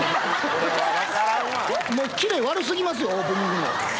もうキレ悪すぎますよ、オープニングの。